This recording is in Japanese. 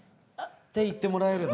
って言ってもらえば。